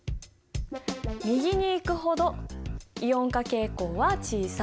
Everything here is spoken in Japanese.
右に行くほどイオン化傾向は小さい。